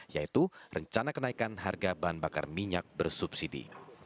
yaitu rencana kenaikan harga bahan bakar minyak bersubsidi